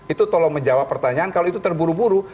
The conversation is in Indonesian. itu tolong menjawab pertanyaan kalau itu terburu buru